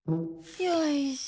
よいしょ！